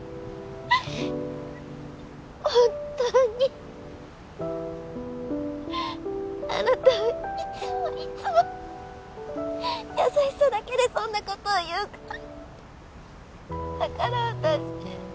本当にあなたはいつもいつも優しさだけでそんな事を言うからだから私。